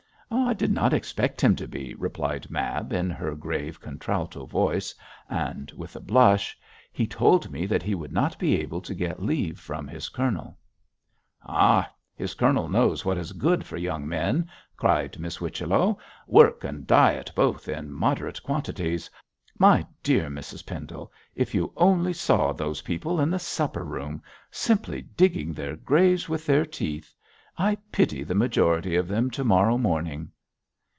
'I did not expect him to be,' replied Mab, in her grave, contralto voice, and with a blush; 'he told me that he would not be able to get leave from his colonel.' 'Ha! his colonel knows what is good for young men,' cried Miss Whichello; 'work and diet both in moderate quantities. My dear Mrs Pendle, if you only saw those people in the supper room! simply digging their graves with their teeth. I pity the majority of them to morrow morning.'